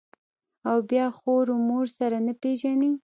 او بيا خور و مور سره نه پېژني.